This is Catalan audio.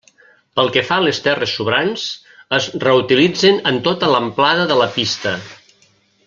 Pel que fa a les terres sobrants, es reutilitzen en tota l'amplada de la pista.